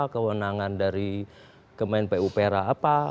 kewenangan dari kemen pupera apa